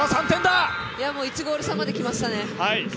もう１ゴール差まできましたね。